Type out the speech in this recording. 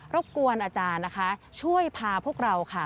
บกวนอาจารย์นะคะช่วยพาพวกเราค่ะ